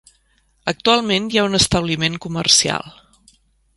Actualment hi ha un establiment comercial.